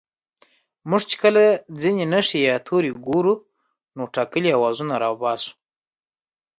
موږ چې کله ځينې نښې يا توري گورو نو ټاکلي آوازونه راوباسو